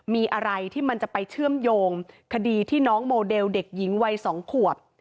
มีอะไรที่มันจะไปเชื่อมโยงคดีที่น้องโมเดลเด็กหญิงวัย๒ขวบ